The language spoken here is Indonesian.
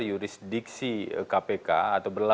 jurisdiksi kpk atau